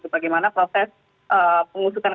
bagaimana proses pengusukan